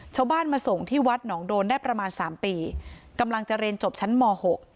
ชาวบ้านมาส่งที่วัดหนองโดนได้ประมาณสามปีกำลังจะเรียนจบชั้นม๖